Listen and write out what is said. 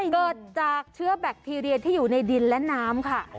เกิดจากเชื้อแบคทีเรียที่อยู่ในดินและน้ำค่ะ